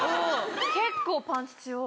結構パンチ強い。